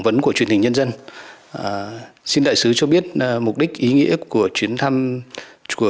những năm tiếp theo